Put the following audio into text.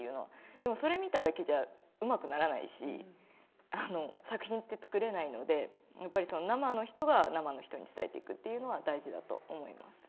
でもそれ見ただけじゃうまくならないし作品って作れないのでやっぱり生の人が生の人に伝えていくというのは大事だと思います。